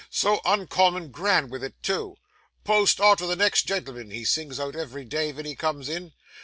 So uncommon grand with it too! "_Post _arter the next gen'l'm'n," he sings out ev'ry day ven he comes in.